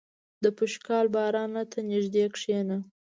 • د پشکال باران ته نږدې کښېنه.